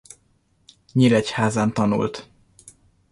Nyíregyházán tanult.